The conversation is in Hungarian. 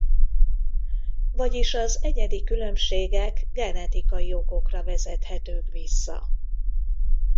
Vagyis az egyedi különbségek genetikai okokra vezethetők vissza.